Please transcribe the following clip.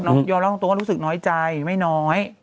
น้องยอมเล่าตรงว่ารู้สึกน้อยใจไม่น้อย